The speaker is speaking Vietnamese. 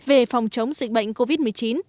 về phòng chống dịch bệnh covid một mươi chín